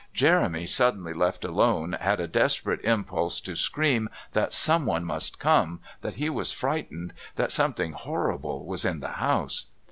Jeremy, suddenly left alone, had a desperate impulse to scream that someone must come, that he was frightened, that something horrible was in the house.